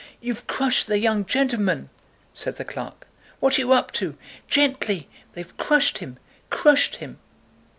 "You've crushed the young gentleman!" said the clerk. "What are you up to? Gently!... They've crushed him, crushed him!"